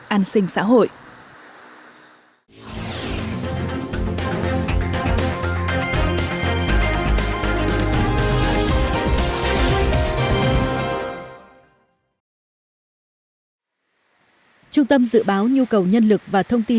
an sinh xã hội